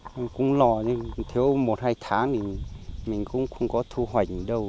mình cũng lo thiếu một hai tháng thì mình cũng không có thu hoạch đâu